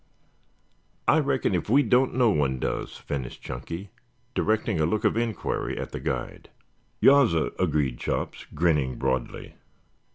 "I reckon if we don't, no one does," finished Chunky, directing a look of inquiry at the guide. "Yassir," agreed Chops, grinning broadly.